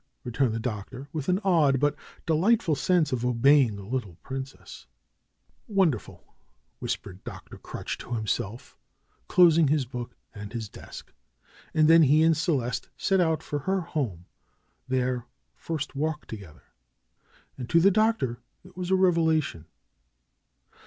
returned the Doctor, with an odd, but delightful sense of obeying a little princess. 146 DR. SCHOLAR CRUTCH "Wonderful whispered Dr. Crutch to himself, clos ing his book and his desk. And then he and Celeste set out for her home ; their first walk together. And to the Doctor it was a revela tion.